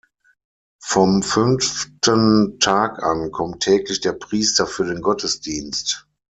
Vom fünften Tag an kommt täglich der Priester für den Gottesdienst.